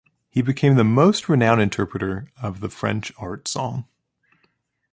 He became the most renowned interpreter of the French art song.